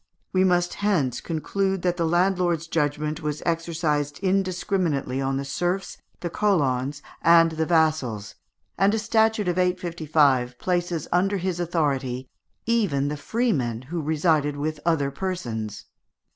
We must hence conclude that the landlord's judgment was exercised indiscriminately on the serfs, the colons, and the vassals, and a statute of 855 places under his authority even the freemen who resided with other persons.